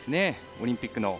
オリンピックの。